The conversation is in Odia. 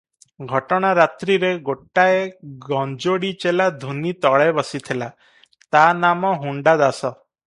ଘଟଣା ରାତ୍ରିରେ ଗୋଟାଏ ଗଞ୍ଜୋଡ଼ି ଚେଲା ଧୂନି ତଳେ ବସିଥିଲା, ତା ନାମ ହୁଣ୍ଡା ଦାସ ।